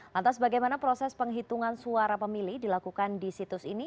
lantas bagaimana proses penghitungan suara pemilih dilakukan di situs ini